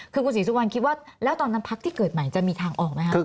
คือคุณศรีสุวรรณคิดว่าแล้วตอนนั้นพักที่เกิดใหม่จะมีทางออกไหมครับ